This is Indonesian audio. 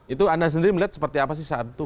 itu anda sendiri melihat seperti apa sih saat itu